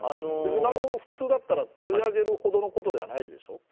別に何も普通だったら取り上げるほどのことではないでしょ。